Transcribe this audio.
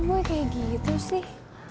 gue kayak gitu sih